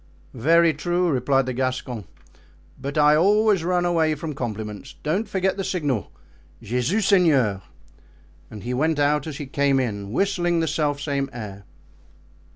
"Very true," replied the Gascon, "but I always run away from compliments. Don't forget the signal: 'Jesus Seigneur!'" and he went out as he came in, whistling the self same air.